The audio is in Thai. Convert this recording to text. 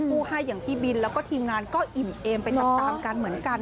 ผู้ให้อย่างพี่บินแล้วก็ทีมงานก็อิ่มเอมไปตามกันเหมือนกัน